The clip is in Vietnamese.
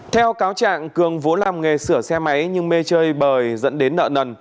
theo cáo trạng cường vú làm nghề sửa xe máy nhưng mê chơi bời dẫn đến nợ nần